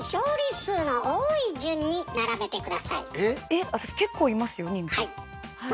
えっ私結構いますよ人数。